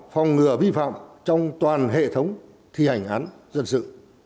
phòng ngừa vi phạm trong toàn hệ thống thi hành án dân sự